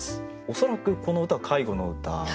恐らくこの歌は介護の歌。